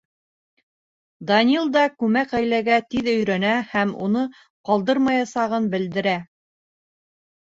Данил да күмәк ғаиләгә тиҙ өйрәнә һәм уны ҡалдырмаясағын белдерә.